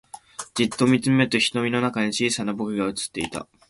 じっと見つめると瞳の中に小さな僕が映っていた